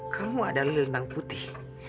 kamu adalah lenang putih